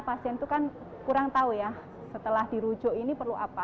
pasien itu kan kurang tahu ya setelah dirujuk ini perlu apa